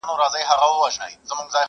• دا کيسه پوښتنه پرېږدي تل تل,